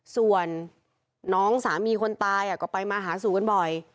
ส่วนน้องสามีคนตายก็ไปมาหาสู่กันบ่อย